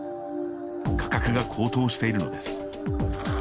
価格が高騰しているのです。